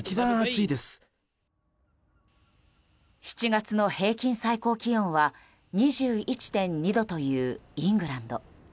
７月の平均最高気温は２１．２度というイングランド。